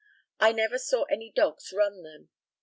I never saw any dogs "run" them.